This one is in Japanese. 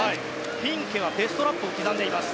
フィンケはベストラップを刻んでいます。